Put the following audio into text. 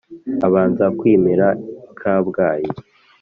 Abanza kwimira i Kabgayi